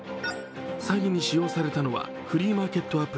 詐欺に使用されたのはフリーマーケット